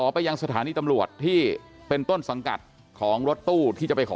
ไปยังสถานีตำรวจที่เป็นต้นสังกัดของรถตู้ที่จะไปขอ